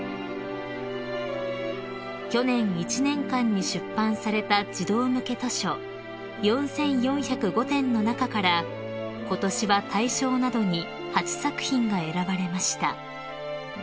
［去年一年間に出版された児童向け図書４，４０５点の中からことしは大賞などに８作品が選ばれました］